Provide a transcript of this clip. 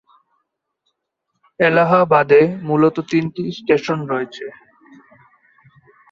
এলাহাবাদ এ মূলত তিনটি স্টেশন রয়েছে।